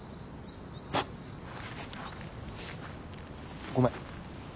フッ。ごめん。